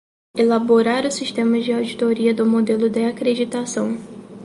Elaborar o sistema de auditoria do modelo de acreditação.